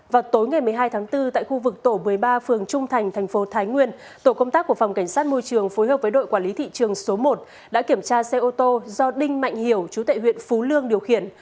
vào tối ngày một mươi hai tháng bốn tại khu vực tổ một mươi ba phường trung thành thành phố thái nguyên tổ công tác của phòng cảnh sát môi trường phối hợp với đội quản lý thị trường số một đã kiểm tra xe ô tô do đinh mạnh hiểu chú tệ huyện phú lương điều khiển